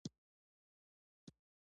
زه او ته ښار ته ځو